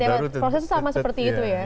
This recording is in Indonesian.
ya prosesnya sama seperti itu ya